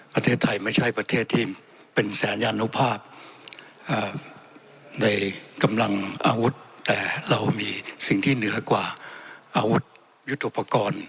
ประเทศไทยไม่ใช่ประเทศที่เป็นสัญญานุภาพในกำลังอาวุธแต่เรามีสิ่งที่เหนือกว่าอาวุธยุทธุปกรณ์